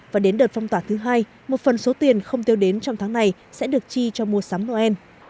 và đến đợt phong tỏa thứ hai một phần số tiền không tiêu đến trong tháng này sẽ được chi cho mua sắm noel